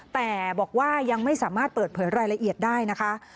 แต่บอกว่ายังไม่สามารถเปิดเผยรายละเอียดได้นะคะ